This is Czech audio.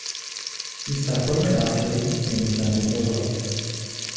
Jisté formy násilí je možné zobrazovat.